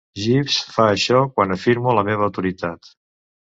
Jeeves fa això quan afirmo la meva autoritat.